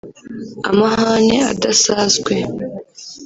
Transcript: amahane adasazwe